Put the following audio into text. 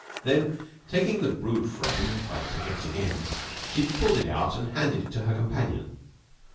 Then taking the brood frame by the projecting ends, she pulled it out and handed it to her companion.